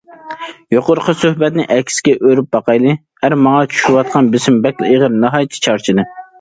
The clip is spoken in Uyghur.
يۇقىرىقى سۆھبەتنى ئەكسىگە ئۆرۈپ باقايلى: ئەر: ماڭا چۈشۈۋاتقان بېسىم بەكلا ئېغىر، ناھايىتى چارچىدىم!